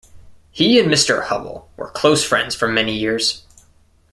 He and Mr. Hubbell were close friends for many years.